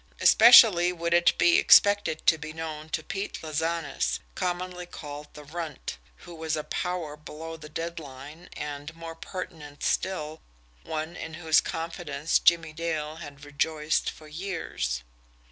Especially would it be expected to be known to Pete Lazanis, commonly called the Runt, who was a power below the dead line and, more pertinent still, one in whose confidence Jimmie Dale had rejoiced for years.